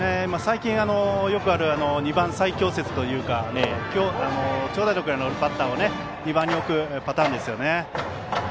最近よくある２番最強説というか長打力のあるバッターを２番に置くパターンですよね。